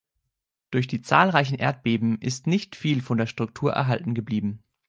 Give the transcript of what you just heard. Durch die zahlreichen Erdbeben, ist nicht viel von der Struktur erhalten geblieben.